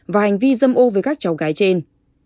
và hành vi dâm ô với các cháu gái trên